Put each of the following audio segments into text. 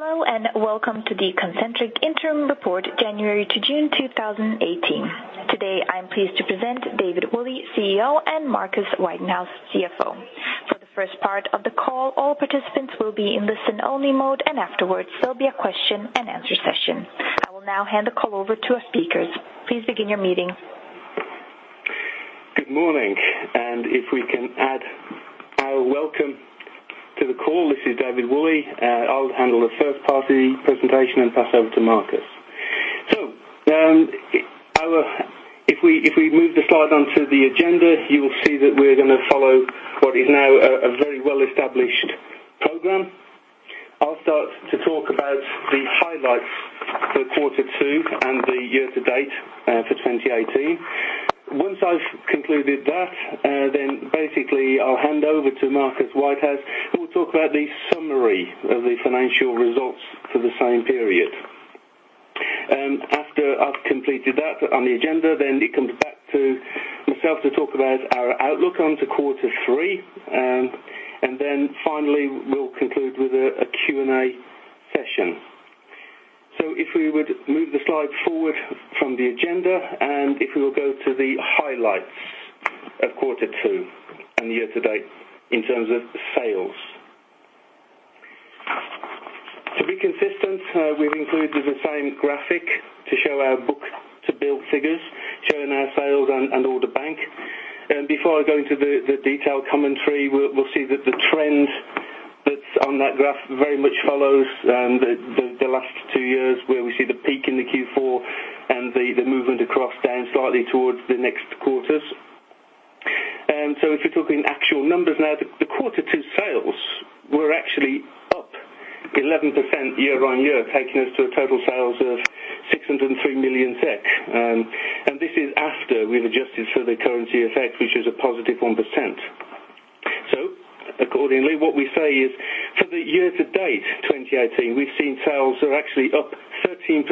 Hello, and welcome to the Concentric Interim Report January to June 2018. Today, I'm pleased to present David Woolley, CEO, and Marcus Whitehouse, CFO. For the first part of the call, all participants will be in listen-only mode, and afterwards, there'll be a question and answer session. I will now hand the call over to our speakers. Please begin your meeting. Good morning, and if we can add our welcome to the call, this is David Woolley. I'll handle the first part of the presentation and pass over to Marcus. If we move the slide onto the agenda, you will see that we're going to follow what is now a very well-established program. I'll start to talk about the highlights for quarter two and the year to date for 2018. Once I've concluded that, basically I'll hand over to Marcus Whitehouse, who will talk about the summary of the financial results for the same period. After I've completed that on the agenda, it comes back to myself to talk about our outlook onto quarter three, finally, we'll conclude with a Q&A session. If we would move the slide forward from the agenda, if we will go to the highlights of quarter two and year to date in terms of sales. To be consistent, we've included the same graphic to show our book-to-bill figures, showing our sales and order bank. Before I go into the detailed commentary, we'll see that the trend that's on that graph very much follows the last two years, where we see the peak in the Q4 and the movement across down slightly towards the next quarters. If you're talking actual numbers now, the quarter two sales were actually up 11% year-on-year, taking us to a total sales of 603 million SEK. This is after we've adjusted for the currency effect, which is a positive 1%. Accordingly, for the year to date 2018, we've seen sales are actually up 13%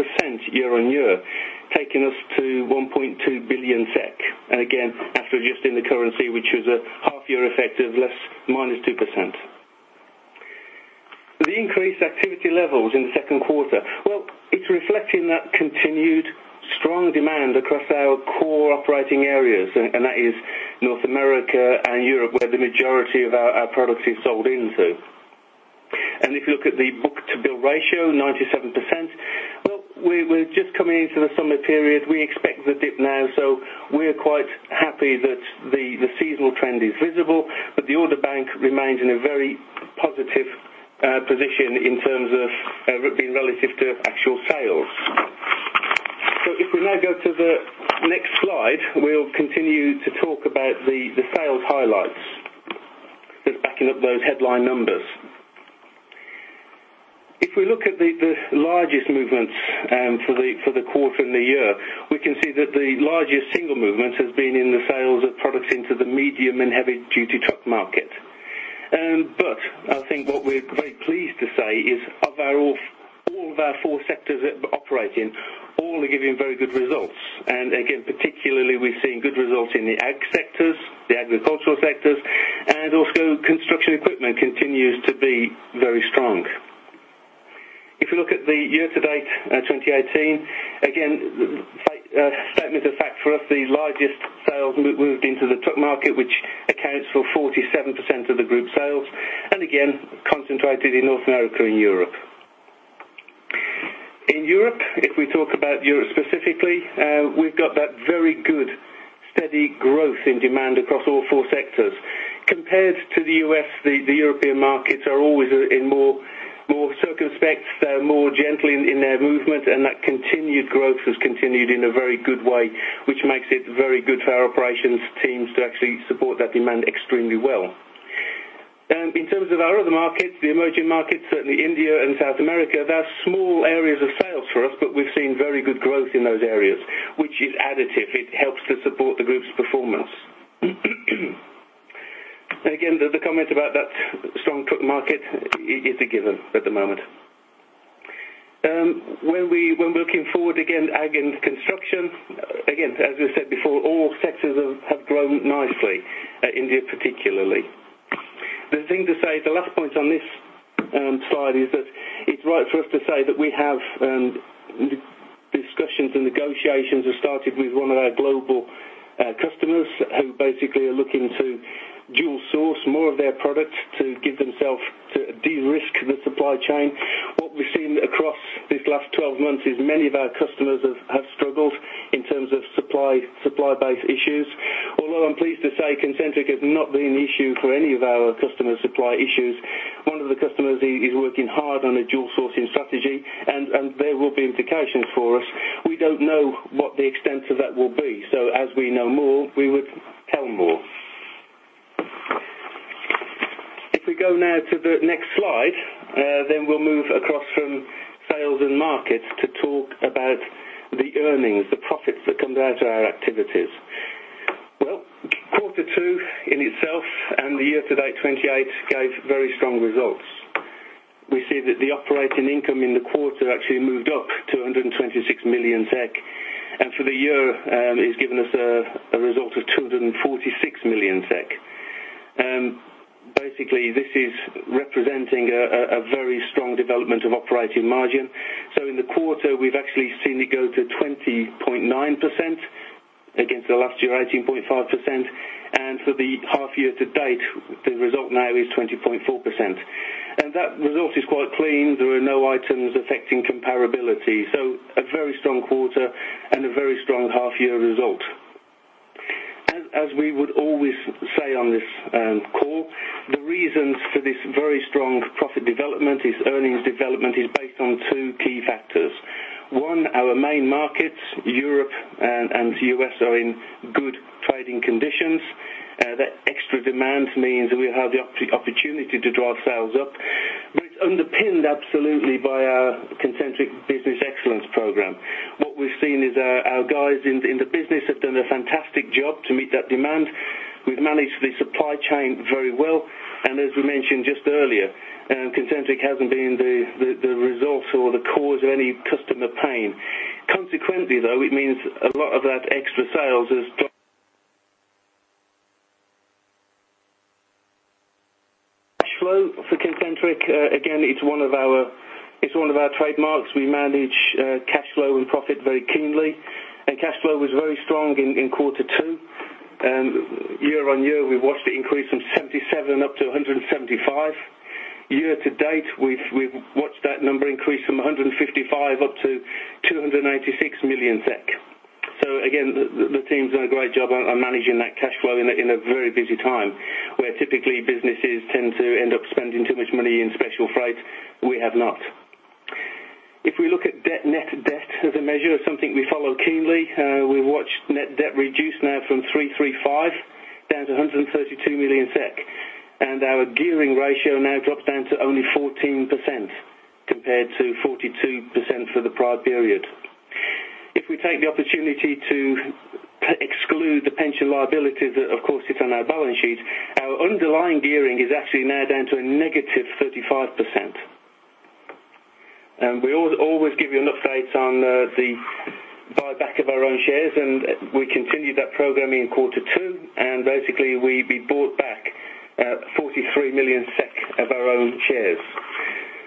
year-on-year, taking us to 1.2 billion SEK. Again, after adjusting the currency, which was a half-year effect of less -2%. The increased activity levels in the second quarter. Well, it's reflecting that continued strong demand across our core operating areas, that is North America and Europe, where the majority of our products is sold into. If you look at the book-to-bill ratio, 97%. Well, we're just coming into the summer period. We expect the dip now, we are quite happy that the seasonal trend is visible, the order bank remains in a very positive position in terms of being relative to actual sales. If we now go to the next slide, we'll continue to talk about the sales highlights that is backing up those headline numbers. If we look at the largest movements for the quarter and the year, we can see that the largest single movement has been in the sales of products into the medium and heavy-duty truck market. I think what we're very pleased to say is, of all of our four sectors that operate in, all are giving very good results. Again, particularly, we're seeing good results in the ag sectors, the agricultural sectors, and also construction equipment continues to be very strong. If you look at the year to date 2018, again, statement of fact for us, the largest sales moved into the truck market, which accounts for 47% of the group sales, again, concentrated in North America and Europe. In Europe, if we talk about Europe specifically, we've got that very good, steady growth in demand across all four sectors. Compared to the U.S., the European markets are always in more circumspect. They're more gentle in their movement, that continued growth has continued in a very good way, which makes it very good for our operations teams to actually support that demand extremely well. In terms of our other markets, the emerging markets, certainly India and South America, they are small areas of sales for us, we've seen very good growth in those areas, which is additive. It helps to support the group's performance. Again, the comment about that strong truck market is a given at the moment. When we're looking forward again, ag and construction, again, as we said before, all sectors have grown nicely, India particularly. The thing to say, the last point on this slide is that it's right for us to say that we have discussions and negotiations have started with one of our global customers who basically are looking to dual source more of their products to give themselves to de-risk the supply chain. What we've seen across these last 12 months is many of our customers have struggled in terms of supply-based issues. Although I'm pleased to say Concentric has not been an issue for any of our customer supply issues, one of the customers is working hard on a dual sourcing strategy, there will be implications for us. We don't know what the extent of that will be. As we know more, we would tell more. If we go now to the next slide, we'll move across from sales and markets to talk about the earnings, the profits that come out of our activities. Well, quarter two in itself and the year to date 2018 gave very strong results. We see that the operating income in the quarter actually moved up to 126 million SEK. For the year, it has given us a result of 246 million SEK. Basically, this is representing a very strong development of operating margin. In the quarter, we've actually seen it go to 20.9% against the last year, 18.5%. For the half year to date, the result now is 20.4%. That result is quite clean. There are no items affecting comparability, a very strong quarter and a very strong half year result. As we would always say on this call, the reasons for this very strong profit development, this earnings development, is based on two key factors. One, our main markets, Europe and the U.S., are in good trading conditions. That extra demand means that we have the opportunity to drive sales up, but it's underpinned absolutely by our Concentric Business Excellence program. What we've seen is our guys in the business have done a fantastic job to meet that demand. We've managed the supply chain very well, and as we mentioned just earlier, Concentric hasn't been the result or the cause of any customer pain. Consequently, though, it means a lot of that extra sales. Cash flow for Concentric. Again, it's one of our trademarks. We manage cash flow and profit very keenly. Cash flow was very strong in quarter two. Year on year, we've watched it increase from 77 up to 175. Year to date, we've watched that number increase from 155 million up to 286 million SEK. Again, the team's done a great job on managing that cash flow in a very busy time, where typically businesses tend to end up spending too much money in special freight. We have not. If we look at net debt as a measure of something we follow keenly, we watch net debt reduce now from 335 million down to 132 million SEK, and our gearing ratio now drops down to only 14%, compared to 42% for the prior period. If we take the opportunity to exclude the pension liability that, of course, sits on our balance sheet, our underlying gearing is actually now down to a negative 35%. We always give you an update on the buyback of our own shares, and we continued that program in quarter two, and basically, we bought back 43 million SEK of our own shares.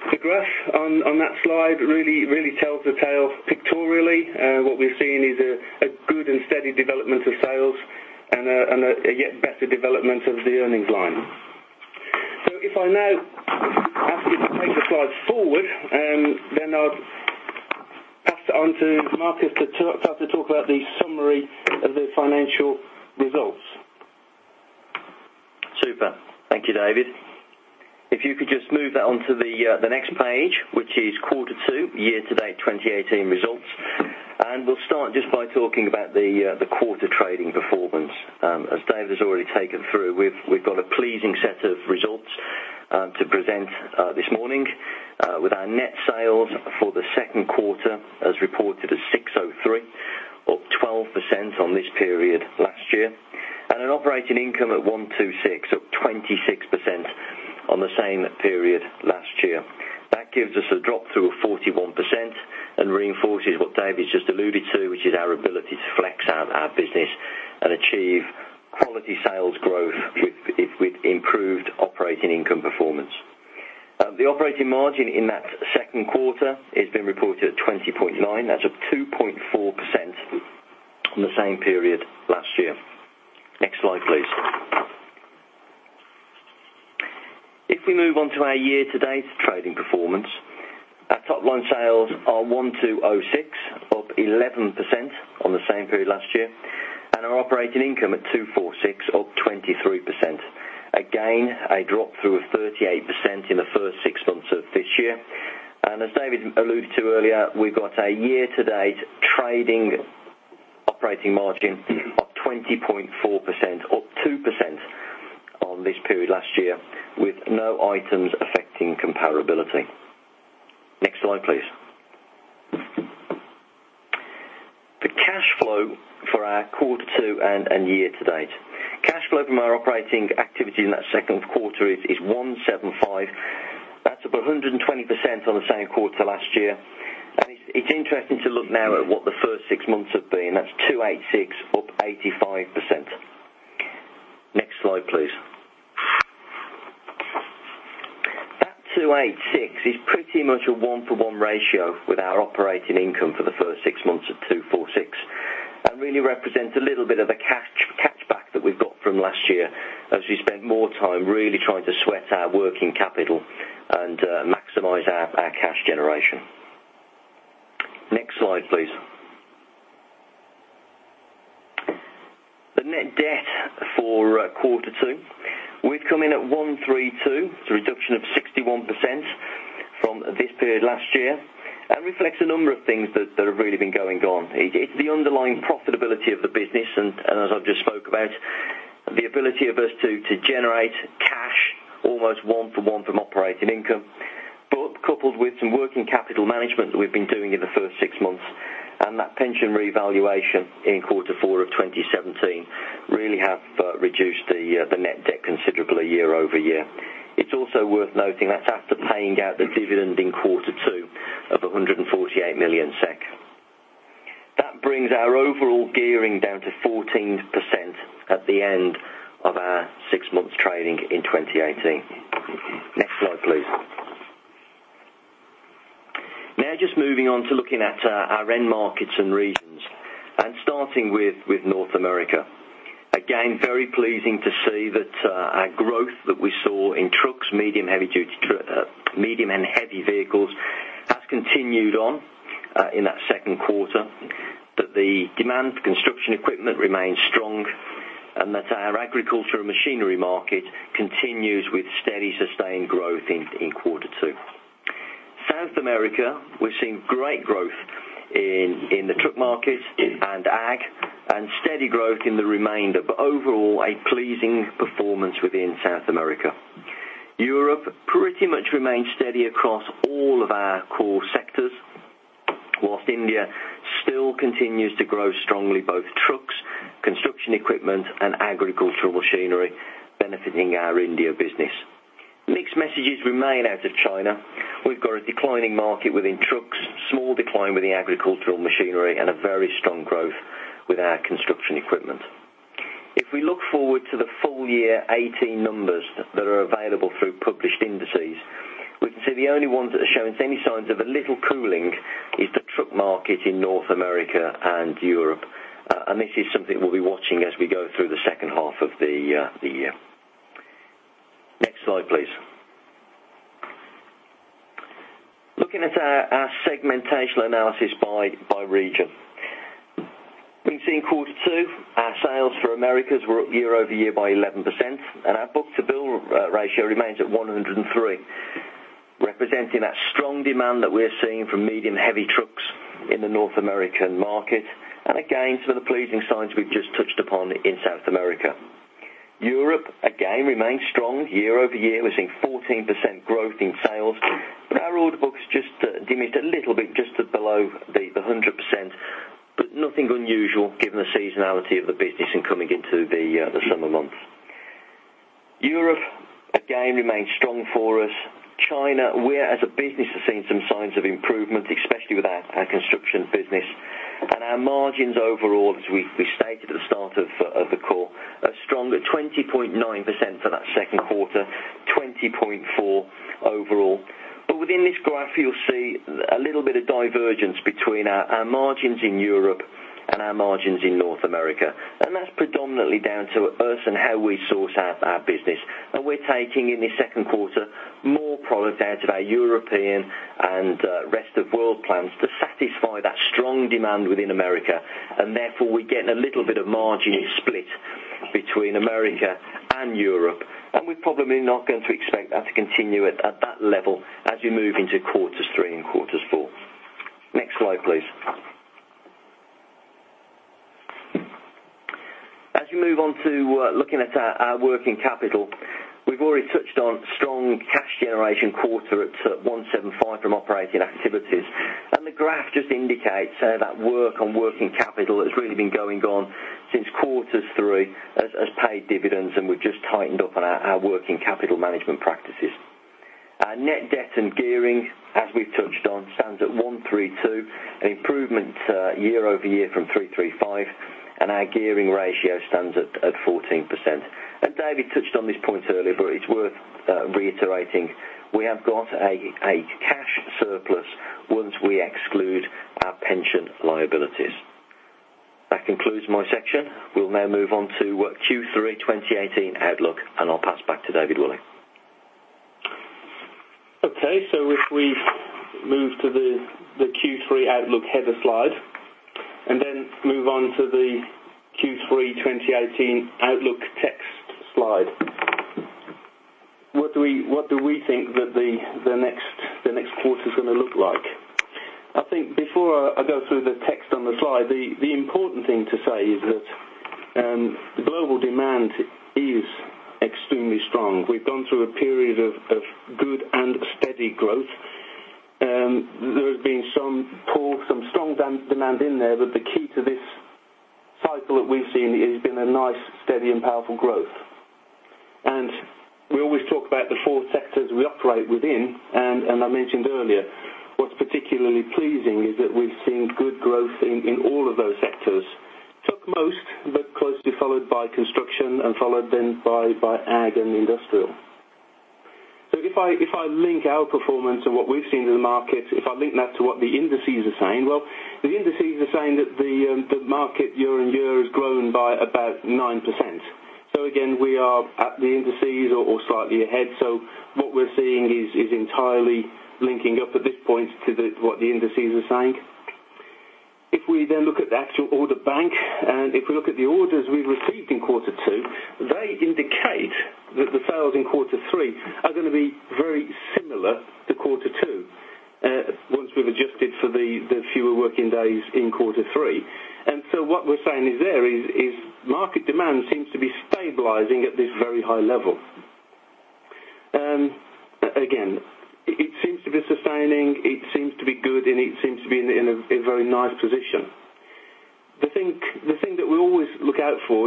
The graph on that slide really tells the tale pictorially. What we've seen is a good and steady development of sales and a yet better development of the earnings line. If I now ask you to take the slide forward, then I'll pass it on to Marcus to talk about the summary of the financial results. Super. Thank you, David. If you could just move that on to the next page, which is quarter two, year-to-date 2018 results. We'll start just by talking about the quarter trading performance. As David has already taken through, we've got a pleasing set of results to present this morning with our net sales for the second quarter as reported at 603, up 12% on this period last year, and an operating income at 126, up 26% on the same period last year. That gives us a drop-through of 41% and reinforces what David's just alluded to, which is our ability to flex out our business and achieve quality sales growth with improved operating income performance. The operating margin in that second quarter has been reported at 20.9%. That's up 2.4% on the same period last year. Next slide, please. We move on to our year-to-date trading performance, our top line sales are 1,206, up 11% on the same period last year, our operating income at 246, up 23%, a drop-through of 38% in the first six months of this year. As David alluded to earlier, we've got a year-to-date trading operating margin of 20.4%, up 2% on this period last year, with no items affecting comparability. Next slide, please. The cash flow for our quarter 2 and year to date. Cash flow from our operating activity in that second quarter is 175. That's up 120% on the same quarter last year. It's interesting to look now at what the first six months have been. That's 286, up 85%. Next slide, please. That 286 is pretty much a one-for-one ratio with our operating income for the first six months of 246, really represents a little bit of a catch-back that we've got from last year as we spend more time really trying to sweat our working capital and maximize our cash generation. Next slide, please. The net debt for quarter 2. We've come in at 132. It's a reduction of 61% from this period last year and reflects a number of things that have really been going on. It's the underlying profitability of the business, as I've just spoke about, the ability of us to generate cash, almost one for one from operating income, coupled with some working capital management that we've been doing in the first six months. That pension revaluation in quarter 4 of 2017 really have reduced the net debt considerably year-over-year. It's also worth noting that's after paying out the dividend in quarter 2 of 148 million SEK. That brings our overall gearing down to 14% at the end of our six months trading in 2018. Next slide, please. Just moving on to looking at our end markets and regions, starting with North America. Very pleasing to see that our growth that we saw in trucks, medium and heavy vehicles, that's continued on in that second quarter, that the demand for construction equipment remains strong, that our agricultural machinery market continues with steady sustained growth in quarter 2. South America, we're seeing great growth in the truck markets and ag, steady growth in the remainder, overall a pleasing performance within South America. Europe pretty much remains steady across all of our core sectors, whilst India still continues to grow strongly, both trucks, construction equipment, and agricultural machinery benefiting our India business. Mixed messages remain out of China. We've got a declining market within trucks, small decline with the agricultural machinery, a very strong growth with our construction equipment. We look forward to the full year 2018 numbers that are available through published indices, we can see the only ones that are showing any signs of a little cooling is the truck market in North America and Europe. This is something we'll be watching as we go through the second half of the year. Next slide, please. Looking at our segmentation analysis by region. We can see in quarter two, our sales for Americas were up year-over-year by 11%, and our book-to-bill ratio remains at 103, representing that strong demand that we're seeing from medium heavy trucks in the North American market. And again, some of the pleasing signs we've just touched upon in South America. Europe, again, remains strong year-over-year. We're seeing 14% growth in sales, but our order books just diminished a little bit just below the 100%, but nothing unusual given the seasonality of the business and coming into the summer months. Europe, again, remains strong for us. China, we as a business have seen some signs of improvement, especially with our construction business. And our margins overall, as we stated at the start of the call, are strong at 20.9% for that second quarter, 20.4% overall. But within this graph, you'll see a little bit of divergence between our margins in Europe and our margins in North America. And that's predominantly down to us and how we source our business. And we're taking, in the second quarter, more product out of our European and Rest of World plants to satisfy that strong demand within America. And therefore, we're getting a little bit of margin split between America and Europe. And we're probably not going to expect that to continue at that level as we move into quarters three and quarters four. Next slide, please. As we move on to looking at our working capital, we've already touched on strong cash generation quarter at 175 from operating activities. And the graph just indicates how that work on working capital has really been going on since quarters three as paid dividends, and we've just tightened up on our working capital management practices. Our net debt and gearing, as we've touched on, stands at 132, an improvement year-over-year from 335, and our gearing ratio stands at 14%. And David Woolley touched on this point earlier, but it's worth reiterating, we have got a cash surplus once we exclude our pension liabilities. That concludes my section. We will now move on to Q3 2018 outlook, and I'll pass back to David Woolley. Okay. If we move to the Q3 outlook header slide, and then move on to the Q3 2018 outlook text slide. What do we think that the next quarter is going to look like? I think before I go through the text on the slide, the important thing to say is that global demand is extremely strong. We've gone through a period of good and steady growth. There has been some pull, some strong demand in there, but the key to this cycle that we've seen has been a nice, steady and powerful growth. And we always talk about the four sectors we operate within, and I mentioned earlier, what's particularly pleasing is that we've seen good growth in all of those sectors. Took most, but closely followed by construction and followed then by ag and industrial. If I link our performance and what we've seen in the market, if I link that to what the indices are saying, well, the indices are saying that the market year-on-year has grown by about 9%. Again, we are at the indices or slightly ahead. What we're seeing is entirely linking up at this point to what the indices are saying. If we look at the actual order bank, and if we look at the orders we received in quarter two, they indicate that the sales in quarter three are going to be very similar to quarter two, once we've adjusted for the fewer working days in quarter three. What we're saying there is market demand seems to be stabilizing at this very high level. Again, it seems to be sustaining, it seems to be good, and it seems to be in a very nice position. The thing that we always look out for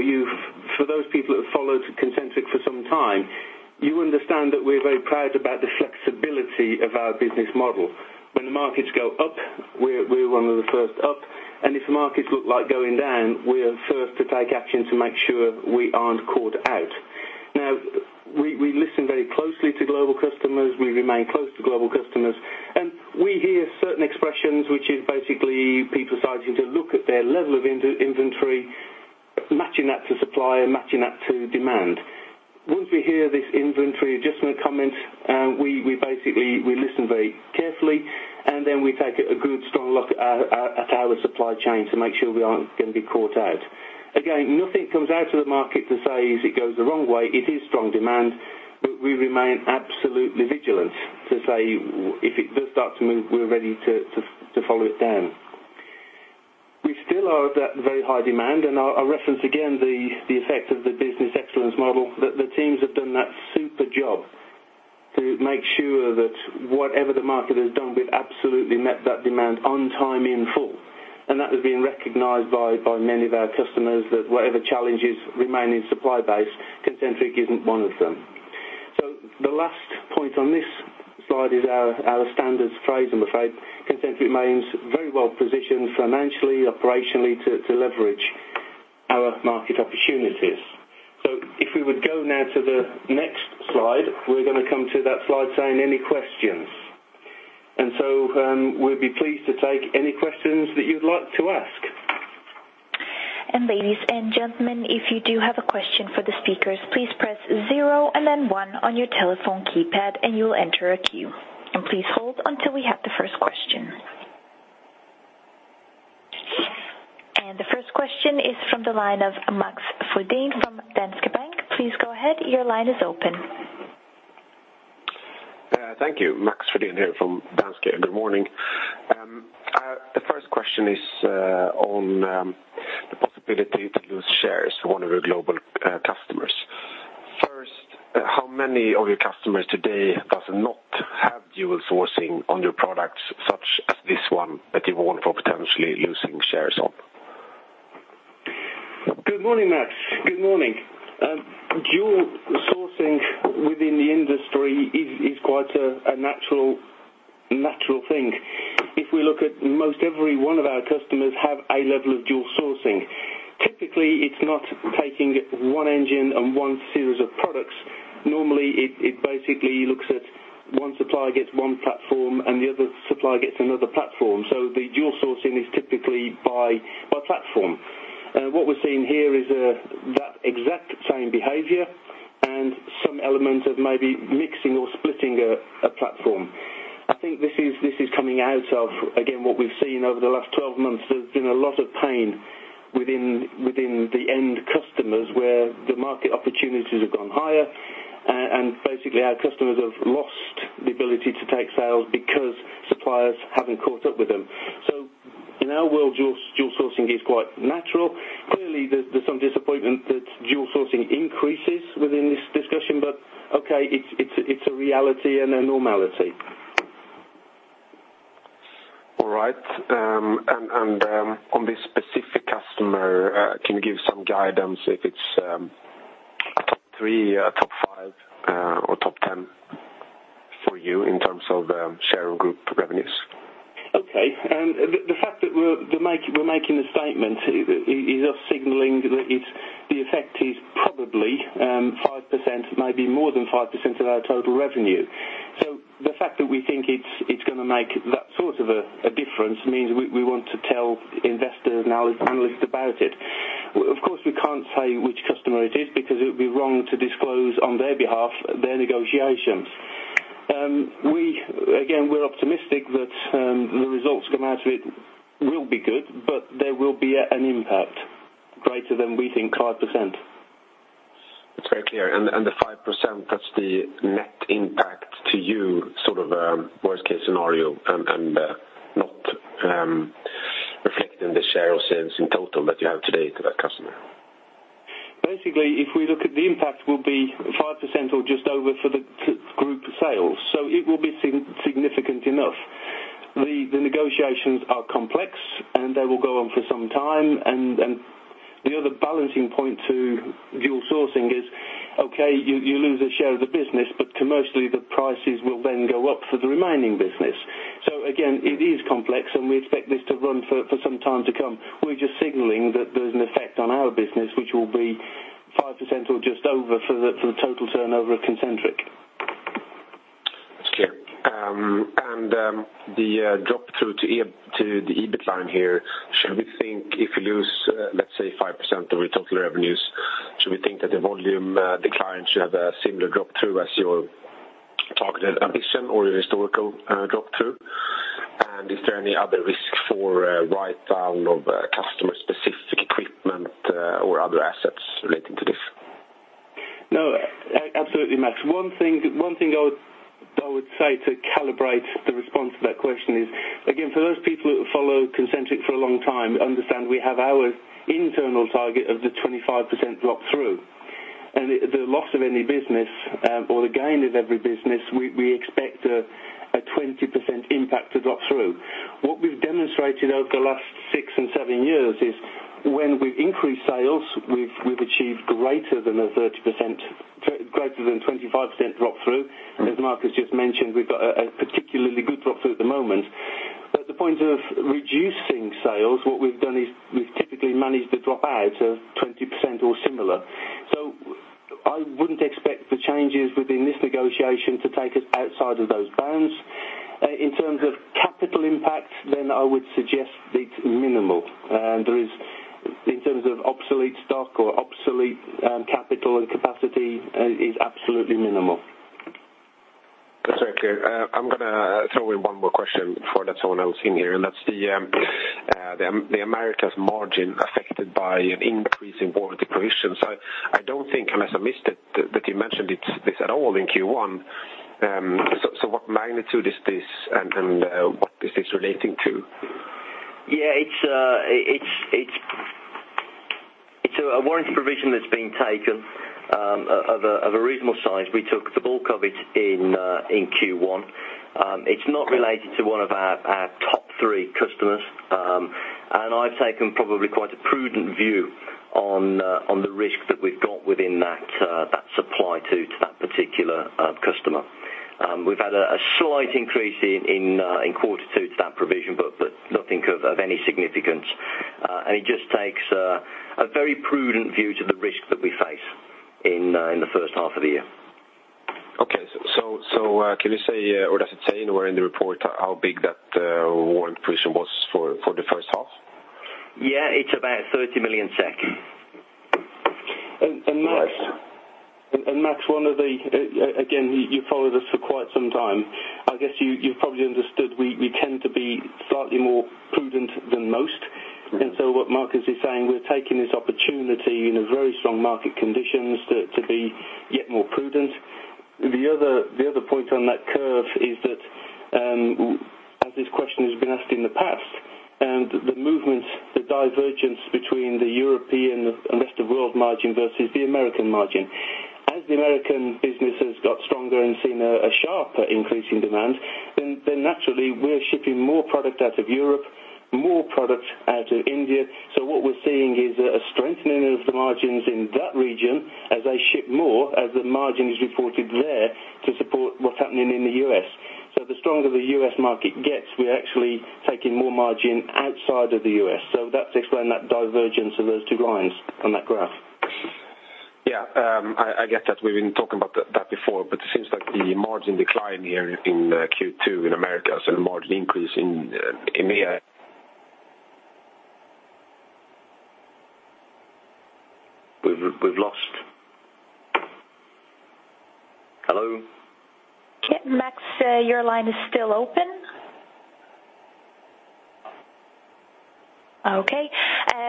those people that have followed Concentric for some time, you understand that we're very proud about the flexibility of our business model. When the markets go up, we're one of the first up, and if the markets look like going down, we are first to take action to make sure we aren't caught out. Now, we listen very closely to global customers, we remain close to global customers. We hear certain expressions, which is basically people starting to look at their level of inventory, matching that to supply and matching that to demand. Once we hear this inventory adjustment comment, we listen very carefully, and then we take a good, strong look at our supply chain to make sure we aren't going to be caught out. Again, nothing comes out of the market to say if it goes the wrong way, it is strong demand, but we remain absolutely vigilant to say, if it does start to move, we're ready to follow it down. We still are at that very high demand, and I'll reference again the effect of the Business Excellence model, that the teams have done that super job to make sure that whatever the market has done, we've absolutely met that demand on time, in full. That has been recognized by many of our customers, that whatever challenges remain in supply base, Concentric isn't one of them. The last point on this slide is our standards phrase, I'm afraid. Concentric remains very well positioned financially, operationally to leverage our market opportunities. If we would go now to the next slide, we're going to come to that slide saying any questions. We'll be pleased to take any questions that you'd like to ask. ladies and gentlemen, if you do have a question for the speakers, please press zero and then one on your telephone keypad and you'll enter a queue. Please hold until we have the first question. The first question is from the line of Max Frodin from Danske Bank. Please go ahead. Your line is open. Thank you. Max Frodin here from Danske. Good morning. The first question is on the possibility to lose shares to one of your global customers. First, how many of your customers today does not have dual sourcing on your products such as this one that you warn for potentially losing shares on? Good morning, Max. Good morning. Dual sourcing within the industry is quite a natural thing. If we look at most every one of our customers have a level of dual sourcing. Typically, it's not taking one engine and one series of products. Normally, it basically looks at one supplier gets one platform and the other supplier gets another platform. The dual sourcing is typically by platform. What we're seeing here is that exact same behavior and some element of maybe mixing or splitting a platform. I think this is coming out of, again, what we've seen over the last 12 months. There's been a lot of pain within the end customers where the market opportunities have gone higher. Basically our customers have lost the ability to take sales because suppliers haven't caught up with them. In our world, dual sourcing is quite natural. Clearly, there's some disappointment that dual sourcing increases within this discussion, okay, it's a reality and a normality. All right. On this specific customer, can you give some guidance if it's a top 3, a top 5, or top 10 for you in terms of the share of group revenues? Okay. The fact that we're making the statement is us signaling that the effect is probably 5%, maybe more than 5% of our total revenue. The fact that we think it's going to make that sort of a difference means we want to tell investors and our analysts about it. Of course, we can't say which customer it is because it would be wrong to disclose on their behalf their negotiations. Again, we're optimistic that the results come out of it will be good, but there will be an impact greater than we think 5%. It's very clear. The 5%, that's the net impact to you, sort of a worst case scenario and not reflected in the share of sales in total that you have today to that customer. Basically, if we look at the impact will be 5% or just over for the group sales. It will be significant enough. The negotiations are complex, and they will go on for some time. The other balancing point to dual sourcing is, okay, you lose a share of the business, but commercially, the prices will then go up for the remaining business. Again, it is complex, and we expect this to run for some time to come. We're just signaling that there's an effect on our business, which will be 5% or just over for the total turnover of Concentric. That's clear. The drop-through to the EBIT line here, should we think if you lose, let's say 5% of your total revenues, should we think that the volume decline should have a similar drop-through as your targeted ambition or your historical drop-through? Is there any other risk for write down of customer specific equipment or other assets relating to this? No, absolutely Max. One thing I would say to calibrate the response to that question is, again, for those people that follow Concentric for a long time, understand we have our internal target of the 25% drop-through. The loss of any business or the gain of every business, we expect a 20% impact to drop-through. What we've demonstrated over the last six and seven years is when we've increased sales, we've achieved greater than 25% drop-through. As Marcus just mentioned, we've got a particularly good drop-through at the moment. At the point of reducing sales, what we've done is we've typically managed a drop out of 20% or similar. I wouldn't expect the changes within this negotiation to take us outside of those bounds. In terms of capital impact, I would suggest it's minimal. In terms of obsolete stock or obsolete capital and capacity, it's absolutely minimal. That's very clear. I'm going to throw in one more question before let someone else in here, that's the Americas margin affected by an increase in warranty provisions. I don't think, unless I missed it, that you mentioned this at all in Q1. What magnitude is this and what is this relating to? Yeah, it's a warranty provision that's been taken of a reasonable size. We took the bulk of it in Q1. It's not related to one of our top three customers. I've taken probably quite a prudent view on the risk that we've got within that supply to that particular customer. We've had a slight increase in quarter two to that provision, but nothing of any significance. It just takes a very prudent view to the risk that we face in the first half of the year. Okay. Can you say, or does it say anywhere in the report how big that warranty provision was for the first half? Yeah, it's about 30 million SEK. Max, again, you followed us for quite some time. I guess you probably understood we tend to be slightly more prudent than most. What Marcus is saying, we're taking this opportunity in very strong market conditions to be yet more prudent. The other point on that curve is that, as this question has been asked in the past, the movements, the divergence between the European and rest of world margin versus the American margin. As the American business has got stronger and seen a sharper increase in demand, naturally we're shipping more product out of Europe, more product out of India. What we're seeing is a strengthening of the margins in that region as they ship more, as the margin is reported there to support what's happening in the U.S. The stronger the U.S. market gets, we're actually taking more margin outside of the U.S. That's explained that divergence of those two lines on that graph. Yeah. I get that. We've been talking about that before, it seems like the margin decline here in Q2 in America is a margin increase in EMEA. We've lost Hello? Max, your line is still open.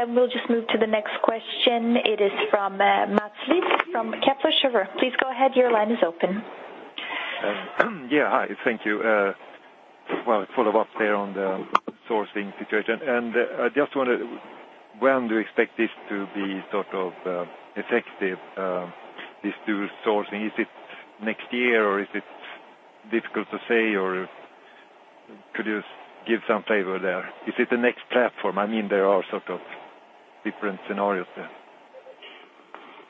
We'll just move to the next question. It is from Mats Liss from Kepler Cheuvreux. Please go ahead, your line is open. Hi. Thank you. Well, to follow up there on the sourcing situation. I just wonder, when do you expect this to be effective, this dual sourcing? Is it next year, or is it difficult to say, or could you give some flavor there? Is it the next platform? There are sort of different scenarios there.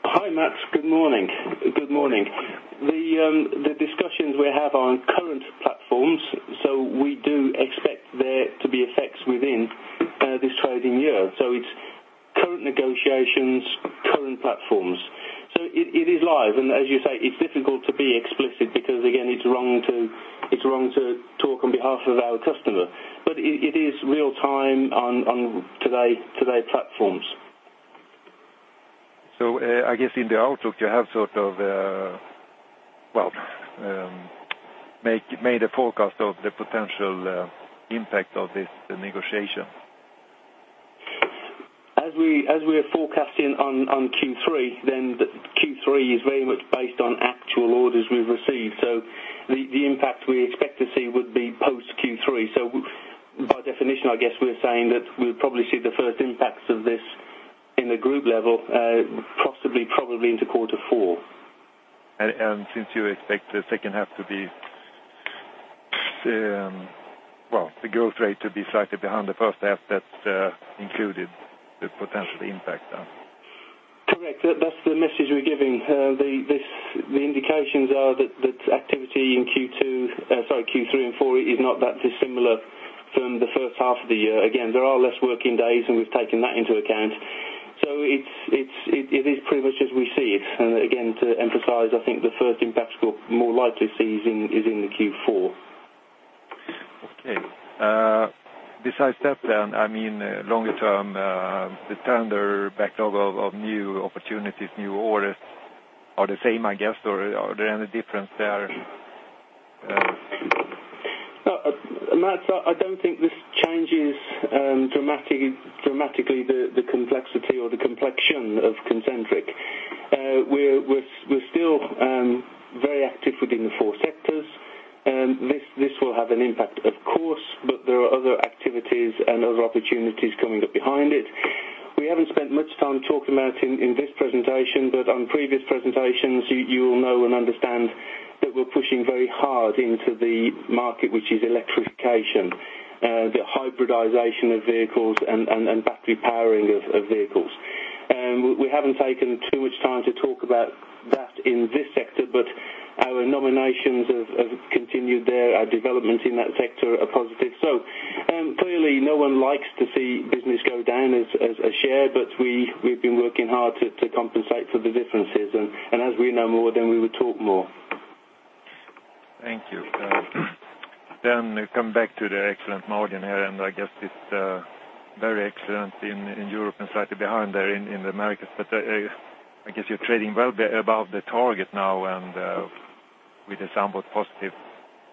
Hi, Mats. Good morning. The discussions we have are on current platforms, we do expect there to be effects within this trading year. It's current negotiations, current platforms. It is live. As you say, it's difficult to be explicit because, again, it's wrong to talk on behalf of our customer. It is real time on today platforms. I guess in the outlook, you have made a forecast of the potential impact of this negotiation. As we are forecasting on Q3 is very much based on actual orders we've received. The impact we expect to see would be post Q3. By definition, I guess we're saying that we'll probably see the first impacts of this in the group level, possibly, probably into quarter four. Since you expect the second half, the growth rate to be slightly behind the first half, that's included the potential impact then. Correct. That's the message we're giving. The indications are that activity in Q3 and 4 is not that dissimilar from the first half of the year. There are less working days, and we've taken that into account. It is pretty much as we see it. Again, to emphasize, I think the first impacts we'll more likely see is in the Q4. Besides that, longer term, the tender backlog of new opportunities, new orders are the same, I guess, or are there any difference there? Mas, I don't think this changes dramatically the complexity or the complexion of Concentric. We're still very active within the four sectors, and this will have an impact, of course, but there are other activities and other opportunities coming up behind it. We haven't spent much time talking about in this presentation, but on previous presentations, you will know and understand that we're pushing very hard into the market, which is electrification, the hybridization of vehicles and battery powering of vehicles. We haven't taken too much time to talk about that in this sector, but our nominations have continued there. Our developments in that sector are positive. Clearly no one likes to see business go down as a share, but we've been working hard to compensate for the differences. As we know more, then we will talk more. Thank you. Come back to the excellent margin here. I guess it's very excellent in Europe and slightly behind there in the Americas. I guess you're trading well above the target now and with a somewhat positive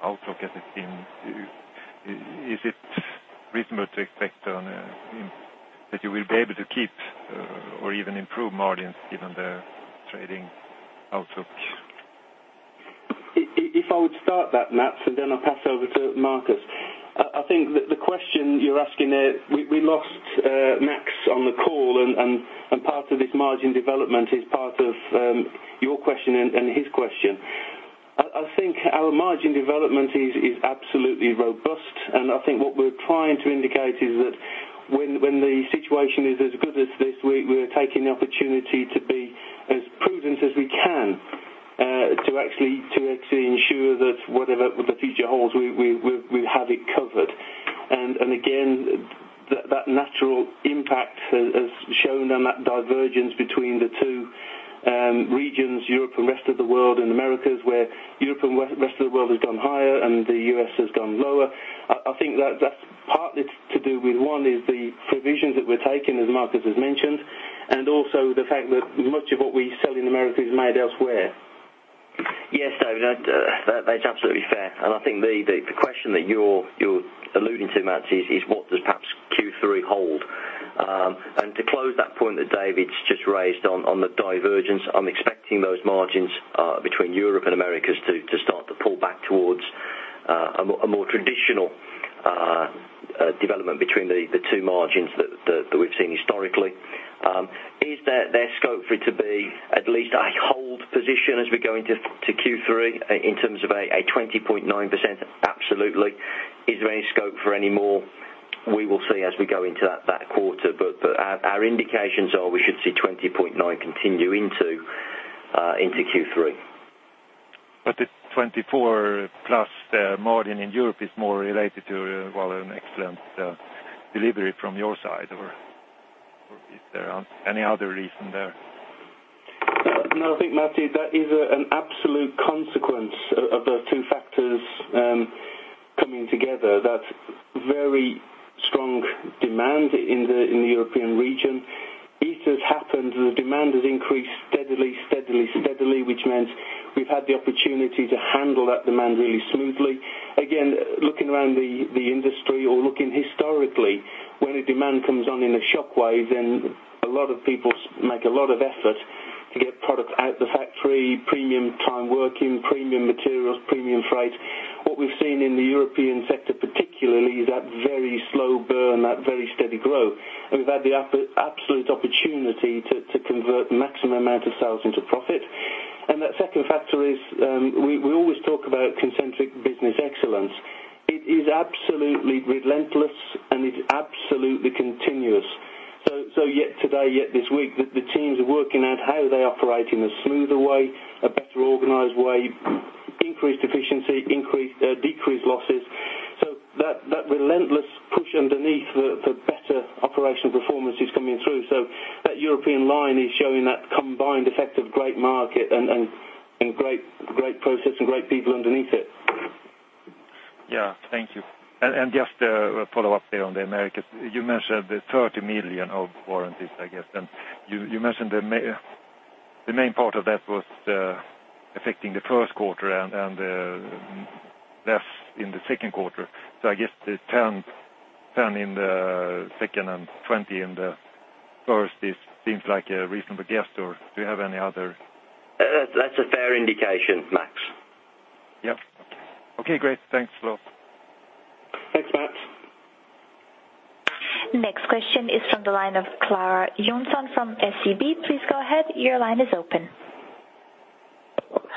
outlook as it seems. Is it reasonable to expect that you will be able to keep or even improve margins given the trading outlook? If I would start that, Mads, I'll pass over to Marcus. I think that the question you're asking there, we lost Max on the call and part of this margin development is part of your question and his question. I think our margin development is absolutely robust. I think what we're trying to indicate is that when the situation is as good as this, we're taking the opportunity to be as prudent as we can to actually ensure that whatever the future holds, we have it covered. Again, that natural impact has shown on that divergence between the two regions, Europe and rest of the world, and Americas, where Europe and rest of the world has gone higher and the U.S. has gone lower. I think that's partly to do with, one is the provisions that we're taking, as Marcus has mentioned, also the fact that much of what we sell in America is made elsewhere. Yes, David, that's absolutely fair. I think the question that you're alluding to, Mads, is what does perhaps Q3 hold. To close that point that David's just raised on the divergence, I'm expecting those margins between Europe and Americas to start to pull back towards a more traditional development between the two margins that we've seen historically. Is there scope for it to be at least a hold position as we go into Q3 in terms of a 20.9%? Absolutely. Is there any scope for any more? We will see as we go into that quarter. Our indications are we should see 20.9% continue into Q3. The 24% plus margin in Europe is more related to, well, an excellent delivery from your side or is there any other reason there? I think, Mads, that is an absolute consequence of the two factors coming together. That very strong demand in the European region. It has happened, the demand has increased steadily, which means we've had the opportunity to handle that demand really smoothly. Again, looking around the industry or looking historically, when a demand comes on in a shockwave, then a lot of people make a lot of effort to get product out the factory, premium time working, premium materials, premium freight. What we've seen in the European sector particularly is that very slow burn, that very steady growth, and we've had the absolute opportunity to convert maximum amount of sales into profit. That second factor is we always talk about Concentric Business Excellence. It is absolutely relentless, and it's absolutely continuous. Yet today, yet this week, the teams are working out how they operate in a smoother way, a better organized way, increased efficiency, decreased losses, that relentless push underneath the better operational performance is coming through. That European line is showing that combined effect of great market and great process and great people underneath it. Thank you. Just a follow-up there on the Americas. You mentioned the 30 million of warranties, I guess, you mentioned the main part of that was affecting the first quarter and less in the second quarter. I guess the 10 in the second and 20 in the first, it seems like a reasonable guess or do you have any other That's a fair indication, Mads. Yep. Okay, great. Thanks a lot. Thanks, Mads. Next question is from the line of Clara Johnson from SEB. Please go ahead. Your line is open.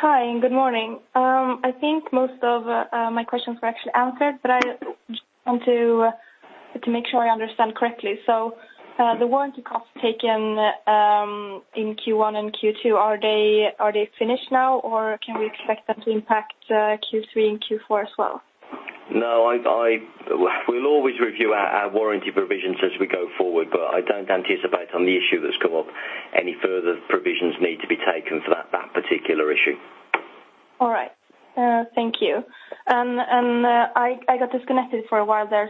Hi. Good morning. I think most of my questions were actually answered, but I just want to make sure I understand correctly. The warranty costs taken in Q1 and Q2, are they finished now, or can we expect them to impact Q3 and Q4 as well? No, we'll always review our warranty provisions as we go forward, but I don't anticipate on the issue that's come up any further provisions need to be taken for that particular issue. All right. Thank you. I got disconnected for a while there,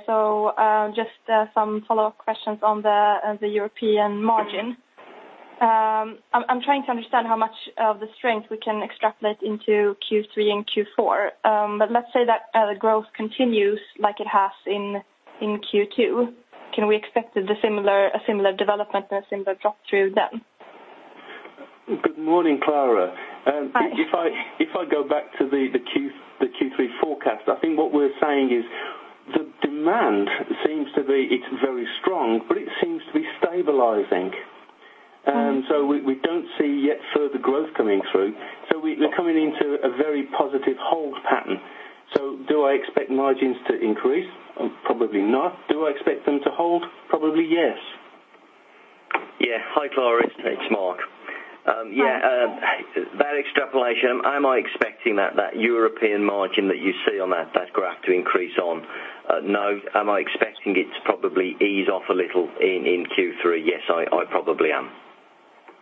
just some follow-up questions on the European margin I'm trying to understand how much of the strength we can extrapolate into Q3 and Q4. Let's say that growth continues like it has in Q2. Can we expect a similar development and a similar drop-through then? Good morning, Clara. Hi. I go back to the Q3 forecast, I think what we're saying is the demand seems to be very strong. It seems to be stabilizing. We don't see yet further growth coming through. We're coming into a very positive hold pattern. Do I expect margins to increase? Probably not. Do I expect them to hold? Probably, yes. Yeah. Hi, Clara. It's Mark. Hi. Yeah. That extrapolation, am I expecting that European margin that you see on that graph to increase on? No. Am I expecting it to probably ease off a little in Q3? Yes, I probably am.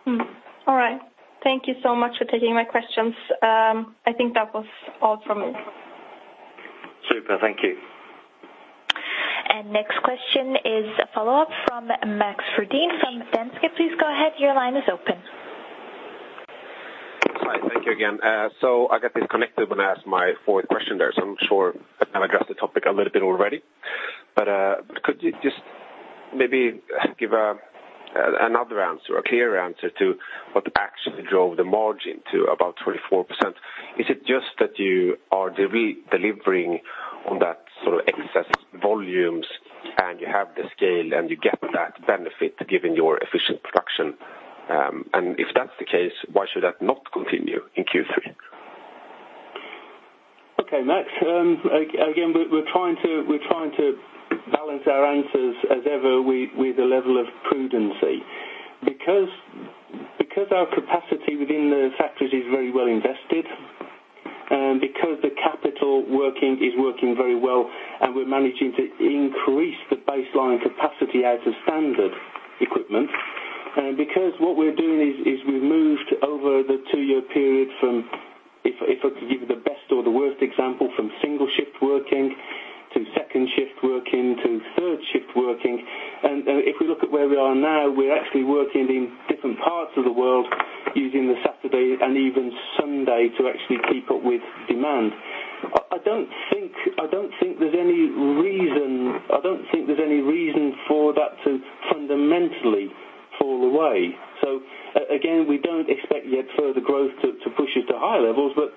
All right. Thank you so much for taking my questions. I think that was all from me. Super. Thank you. Next question is a follow-up from Max Frodin from Danske. Please go ahead, your line is open. Hi. Thank you again. I got disconnected when I asked my fourth question there, I'm sure I've addressed the topic a little bit already. Could you just maybe give another answer, a clear answer to what actually drove the margin to about 24%? Is it just that you are delivering on that sort of excess volumes, and you have the scale, and you get that benefit given your efficient production? If that's the case, why should that not continue in Q3? Okay, Max. Again, we're trying to balance our answers as ever with a level of prudency. Because our capacity within the factories is very well invested, and because the capital is working very well, and we're managing to increase the baseline capacity out of standard equipment, and because what we're doing is we've moved over the two-year period from, if I could give you the best or the worst example, from single shift working to second shift working to third shift working. If we look at where we are now, we're actually working in different parts of the world using the Saturday and even Sunday to actually keep up with demand. I don't think there's any reason for that to fundamentally fall away. Again, we don't expect yet further growth to push it to higher levels, but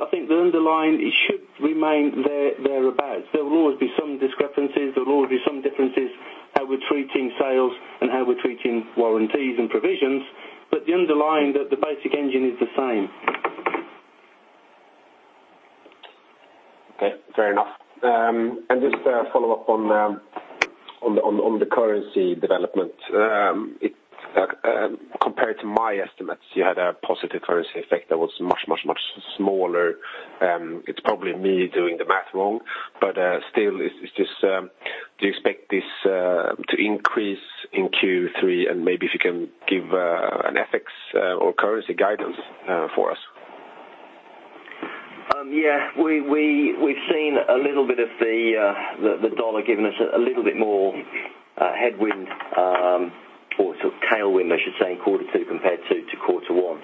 I think the underlying, it should remain thereabouts. There will always be some discrepancies. There will always be some differences how we're treating sales and how we're treating warranties and provisions. The underlying, that the basic engine is the same. Okay. Fair enough. Just a follow-up on the currency development. Compared to my estimates, you had a positive currency effect that was much, much, much smaller. It's probably me doing the math wrong, still, do you expect this to increase in Q3? Maybe if you can give an FX or currency guidance for us. Yeah. We've seen a little bit of the dollar giving us a little bit more headwind, or tailwind I should say, in quarter two compared to quarter one.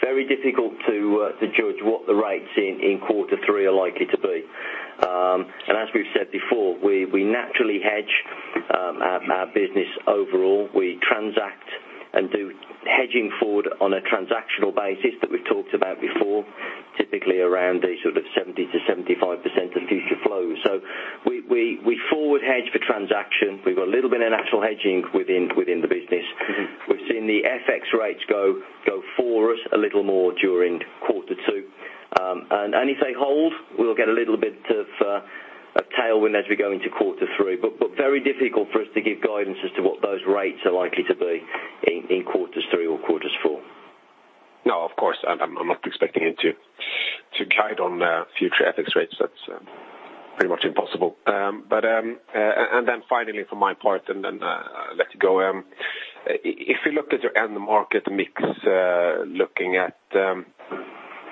Very difficult to judge what the rates in quarter three are likely to be. As we've said before, we naturally hedge our business overall. We transact and do hedging forward on a transactional basis that we've talked about before, typically around a sort of 70%-75% of future flow. We forward hedge for transaction. We've got a little bit of natural hedging within the business. We've seen the FX rates go for us a little more during quarter two. If they hold, we'll get a little bit of a tailwind as we go into quarter three. Very difficult for us to give guidance as to what those rates are likely to be in quarters three or quarters four. No, of course, I'm not expecting you to guide on future FX rates. That's pretty much impossible. Finally from my part, then I'll let you go. If you look at your end market mix, looking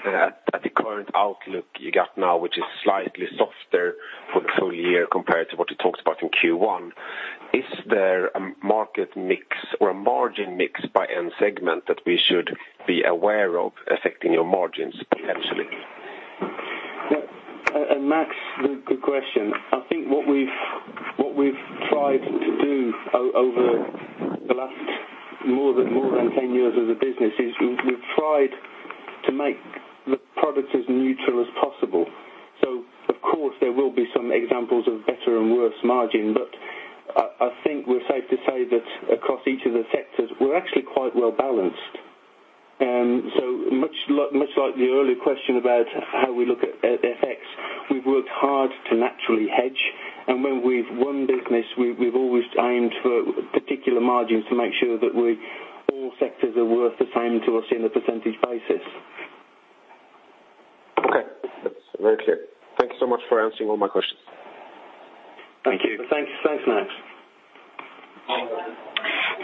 at the current outlook you got now, which is slightly softer for the full year compared to what you talked about in Q1, is there a market mix or a margin mix by end segment that we should be aware of affecting your margins potentially? Max, good question. I think what we've tried to do over the last more than 10 years as a business is we've tried to make the product as neutral as possible. Of course, there will be some examples of better and worse margin, but I think we're safe to say that across each of the sectors, we're actually quite well-balanced. Much like the earlier question about how we look at FX, we've worked hard to naturally hedge, and when we've won business, we've always aimed for particular margins to make sure that all sectors are worth the same to us in the percentage basis. Okay. That's very clear. Thank you so much for answering all my questions. Thank you. Thanks, Max.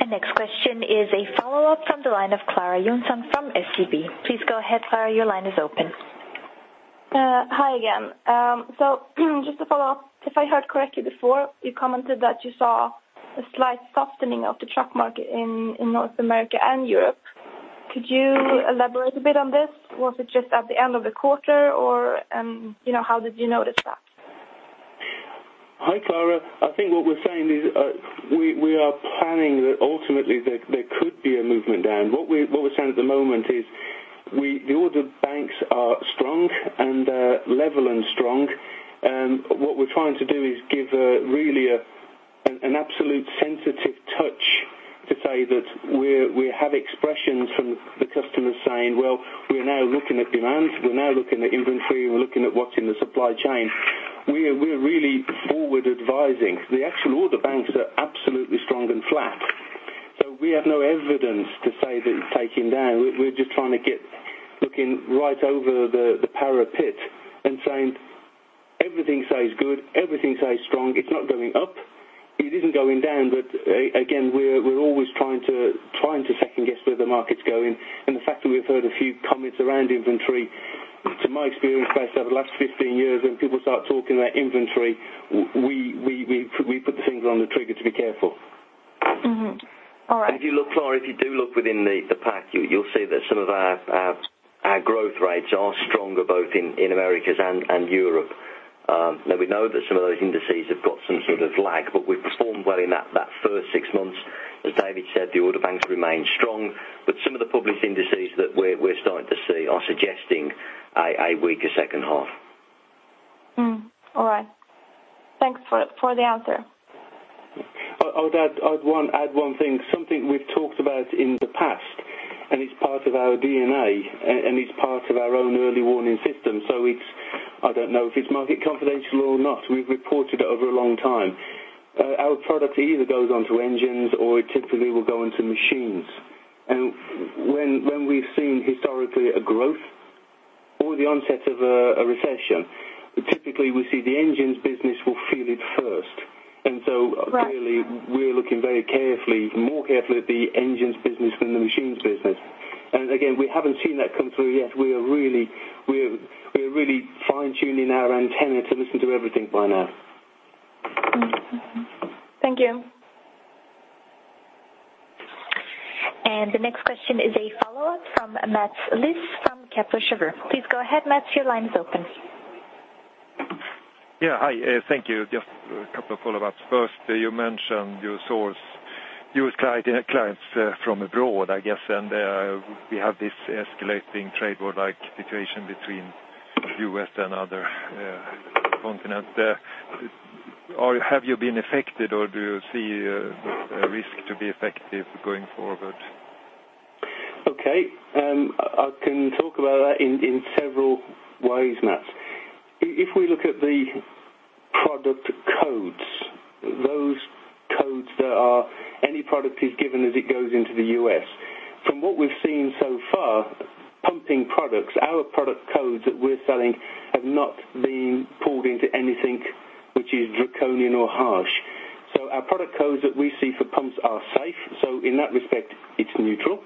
The next question is a follow-up from the line of Clara Johnson from SEB. Please go ahead, Clara, your line is open. Hi again. Just to follow up, if I heard correctly before, you commented that you saw a slight softening of the truck market in North America and Europe. Could you elaborate a bit on this? Was it just at the end of the quarter or how did you notice that? Hi, Clara. I think what we're saying is we are planning that ultimately there could be a movement down. What we're saying at the moment is the order banks are level and strong. What we're trying to do is give really an absolute sensitive touch to say that we have expressions from the customers saying, "Well, we are now looking at demands. We're now looking at inventory. We're looking at what's in the supply chain." We're really forward advising. The actual order banks are absolutely strong and flat. We have no evidence to say that it's taking down. We're just trying to get looking right over the parapet and saying, "Everything says good, everything says strong. It's not going up. It isn't going down." Again, we're always trying to second guess where the market's going. The fact that we've heard a few comments around inventory, to my experience, guys, over the last 15 years, when people start talking about inventory, we put the finger on the trigger to be careful. Mm-hmm. All right. If you look, Clara, if you do look within the pack, you'll see that some of our growth rates are stronger, both in Americas and Europe. Now, we know that some of those indices have got some sort of lag, but we've performed well in that first six months. As David said, the order banks remain strong, but some of the published indices that we're starting to see are suggesting a weaker second half. All right. Thanks for the answer. I would add one thing, something we've talked about in the past, and it's part of our DNA, and it's part of our own early warning system. I don't know if it's market confidential or not. We've reported it over a long time. Our product either goes onto engines or it typically will go into machines. When we've seen historically a growth or the onset of a recession, typically we see the engines business will feel it first. Right. Clearly, we're looking very carefully, more carefully at the engines business than the machines business. Again, we haven't seen that come through yet. We are really fine-tuning our antenna to listen to everything by now. Thank you. The next question is a follow-up from Mats Liss from Kepler Cheuvreux. Please go ahead, Mats, your line's open. Hi, thank you. Just a couple of follow-ups. First, you mentioned you source clients from abroad, I guess, and we have this escalating trade war situation between U.S. and other continent there. Have you been affected or do you see a risk to be affected going forward? I can talk about that in several ways, Mats. If we look at the product codes, those codes that are any product is given as it goes into the U.S. From what we've seen so far, pumping products, our product codes that we're selling have not been pulled into anything which is draconian or harsh. Our product codes that we see for pumps are safe. In that respect, it's neutral.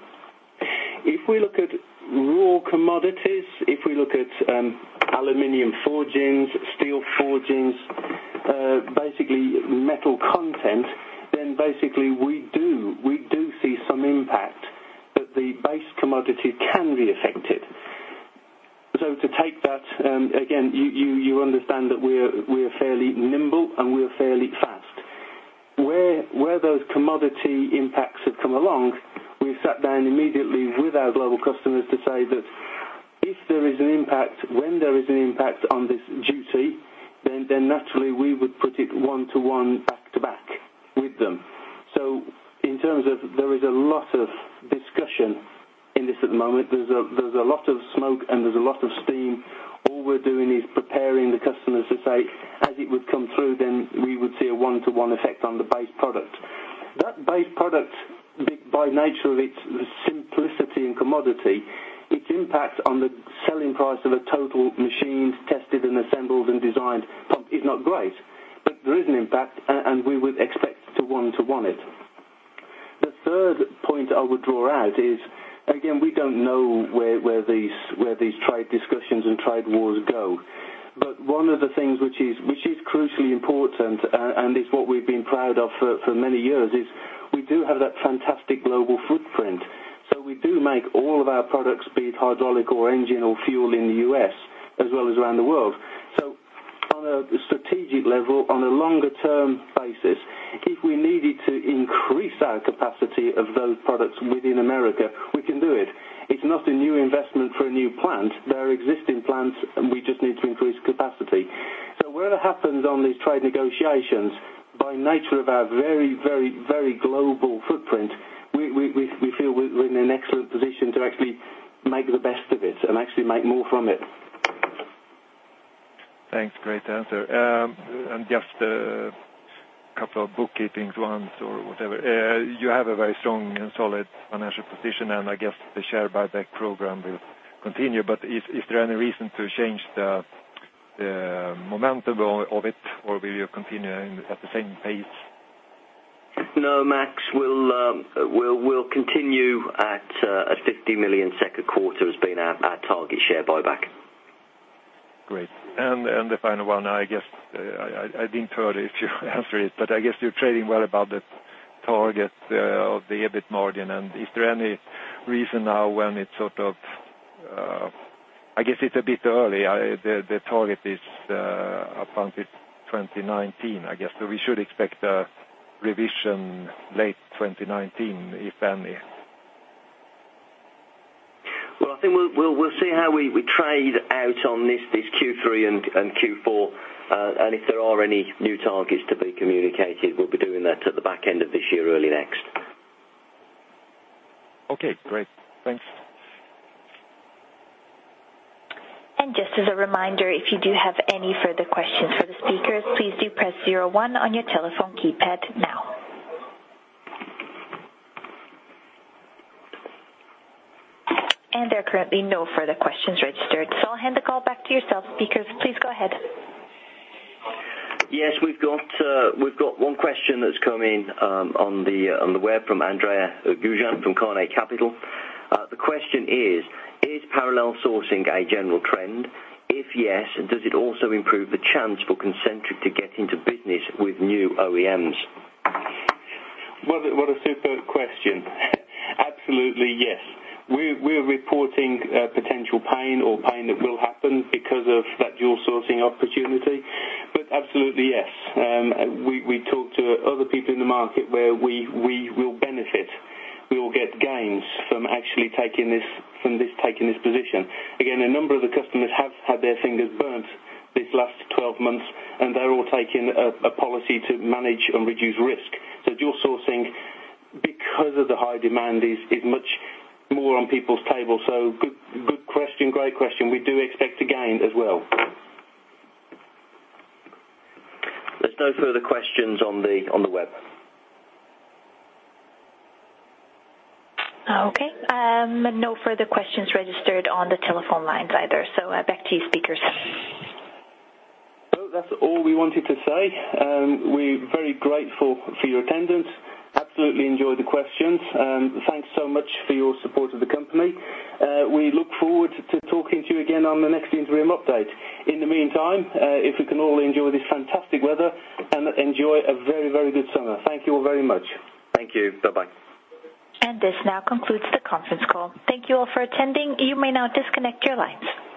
If we look at raw commodities, if we look at aluminum forgings, steel forgings, metal content, we do see some impact that the base commodity can be affected. To take that, again, you understand that we are fairly nimble and we are fairly fast. Where those commodity impacts have come along, we sat down immediately with our global customers to say that if there is an impact, when there is an impact on this duty, naturally we would put it one-to-one, back to back with them. In terms of there is a lot of discussion in this at the moment. There's a lot of smoke and there's a lot of steam. All we're doing is preparing the customers to say, as it would come through, we would see a one-to-one effect on the base product. That base product, by nature of its simplicity and commodity, its impact on the selling price of a total machine tested and assembled and designed pump is not great, but there is an impact, and we would expect to one-to-one it. The third point I would draw out is, again, we don't know where these trade discussions and trade wars go, but one of the things which is crucially important and is what we've been proud of for many years is we do have that fantastic global footprint. We do make all of our products, be it hydraulic or engine or fuel in the U.S. as well as around the world. On a strategic level, on a longer term basis, if we needed to increase our capacity of those products within America, we can do it. It's not a new investment for a new plant. There are existing plants, and we just need to increase capacity. Whatever happens on these trade negotiations, by nature of our very global footprint, we feel we're in an excellent position to actually make the best of it and actually make more from it. Thanks. Great answer. Just a couple of bookkeepings ones or whatever. You have a very strong and solid financial position, and I guess the share buyback program will continue, but is there any reason to change the momentum of it or will you continue at the same pace? No, Mats. We'll continue at 50 million SEK second quarter as being our target share buyback. The final one, I guess I didn't hear if you answered it, but I guess you're trading well above the target of the EBIT margin. Is there any reason now when it sort of I guess it's a bit early. The target is upon this 2019, I guess. We should expect a revision late 2019, if any. Well, I think we'll see how we trade out on this Q3 and Q4. If there are any new targets to be communicated, we'll be doing that at the back end of this year, early next. Okay, great. Thanks. Just as a reminder, if you do have any further questions for the speakers, please do press 01 on your telephone keypad now. There are currently no further questions registered, so I'll hand the call back to yourself, speakers. Please go ahead. Yes, we've got one question that's come in on the web from Andrea Gysin from Carnot Capital. The question is: Is parallel sourcing a general trend? If yes, does it also improve the chance for Concentric to get into business with new OEMs? What a superb question. Absolutely, yes. We're reporting potential pain or pain that will happen because of that dual sourcing opportunity. Absolutely, yes. We talk to other people in the market where we will benefit. We will get gains from actually taking this position. Again, a number of the customers have had their fingers burnt this last 12 months, and they're all taking a policy to manage and reduce risk. Dual sourcing, because of the high demand, is much more on people's table. Good question. Great question. We do expect to gain as well. There's no further questions on the web. Okay. No further questions registered on the telephone lines either. Back to you, speakers. Well, that's all we wanted to say. We're very grateful for your attendance. Absolutely enjoyed the questions. Thanks so much for your support of the company. We look forward to talking to you again on the next interim update. In the meantime, if we can all enjoy this fantastic weather, and enjoy a very good summer. Thank you all very much. Thank you. Bye-bye. This now concludes the conference call. Thank you all for attending. You may now disconnect your lines.